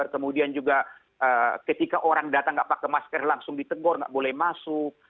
kemudian juga ketika orang datang nggak pakai masker langsung ditegur nggak boleh masuk